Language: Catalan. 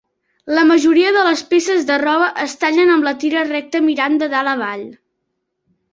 La majoria de les peces de roba es tallen amb la tira recta mirant de dalt a avall.